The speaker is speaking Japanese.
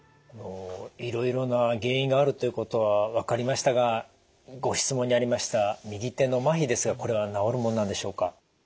いろいろな原因があるということは分かりましたがご質問にありました右手の麻痺ですがこれは治るもんなんでしょうか？